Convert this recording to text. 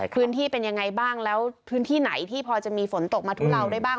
พื้นที่เป็นยังไงบ้างแล้วพื้นที่ไหนที่พอจะมีฝนตกมาทุเลาได้บ้าง